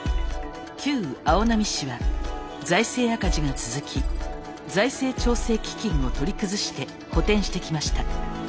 旧青波市は財政赤字が続き財政調整基金を取り崩して補填してきました。